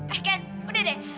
eh ken udah deh